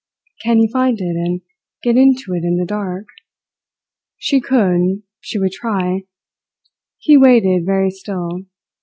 "Can you find it and get into it in the dark?" She could. She would try. He waited, very still.